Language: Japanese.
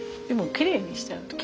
でもきれいにしてある。